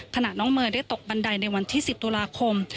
น้องเมย์ได้ตกบันไดในวันที่๑๐ตุลาคม